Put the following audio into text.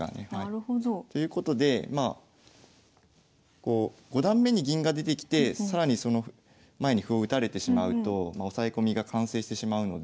なるほど。ということでまあ５段目に銀が出てきて更にその前に歩を打たれてしまうと押さえ込みが完成してしまうので。